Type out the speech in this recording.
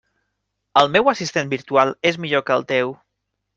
El meu assistent virtual és millor que el teu.